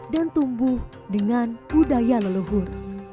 dan tumbuh dengan budaya leluhur